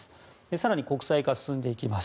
更に国際化が進んでいきます。